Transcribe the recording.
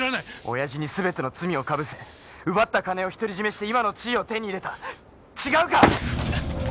親父に全ての罪を被せ奪った金を独り占めして今の地位を手に入れた違うか！